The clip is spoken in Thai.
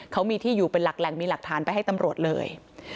เขามีที่อยู่เป็นหลักแหล่งมีหลักฐานไปให้ตำรวจเลย